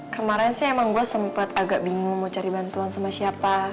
kemarin sih emang gue sempet agak bingung mau cari bantuan sama siapa